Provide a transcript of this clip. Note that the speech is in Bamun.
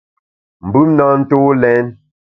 Mbùm na ntô lèn.